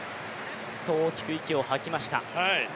大きく息を吐きました。